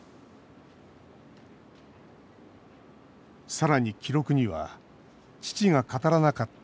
さらに記録には父が語らなかった